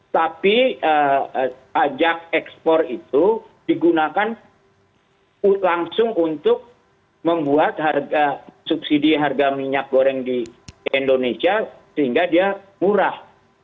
tapi pajak ekspor itu digunakan langsung untuk membuat subsidi harga minyak goreng di indonesia sehingga dia murah